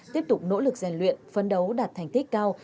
tiếp tục nỗ lực giải luyện phân đấu đạt thành tích cao